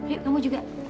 yuk kamu juga